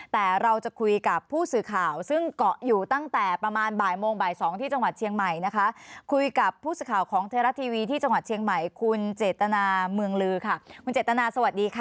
แต่เราจะคุยกับผู้สื่อข่าวซึ่งเกาะอยู่ตั้งแต่ประมาณบ่ายโมงบ่ายสองที่จังหวัดเชียงใหม่นะคะคุยกับผู้สื่อข่าวของไทยรัฐทีวีที่จังหวัดเชียงใหม่คุณเจตนาเมืองลือค่ะคุณเจตนาสวัสดีค่ะ